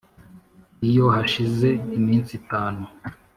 iyo hashize iminsi itanu